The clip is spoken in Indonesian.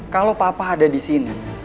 kalau papa ada di sini